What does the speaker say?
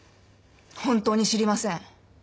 本当に知りません。